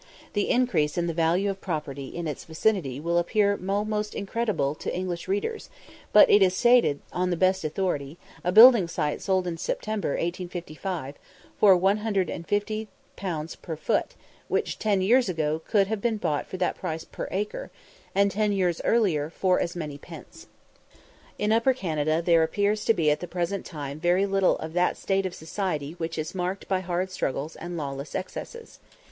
The increase in the value of property in its vicinity will appear almost incredible to English readers, but it is stated on the best authority: a building site sold in September, 1855, for 150_l._ per foot, which ten years ago could have been bought for that price per acre, and ten years earlier for as many pence. In Upper Canada there appears to be at the present time very little of that state of society which is marked by hard struggles and lawless excesses.